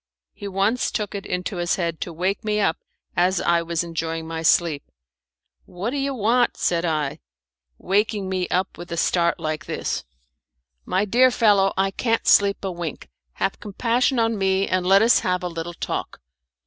He once took it into his head to wake me up as I was enjoying my sleep. "What do you want?" said I; "waking me up with a start like this." "My dear fellow, I can't sleep a wink. Have compassion on me and let us have a little talk."